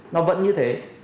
nó vẫn như thế